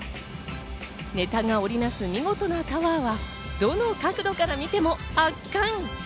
ネタが織りなす見事なタワーはどの角度から見ても圧巻。